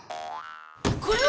これは！